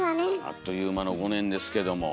あっという間の５年ですけども。